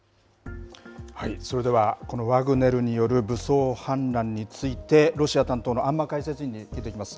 それでは、このワグネルによる武装反乱について、ロシア担当の安間解説委員に聞いていきます。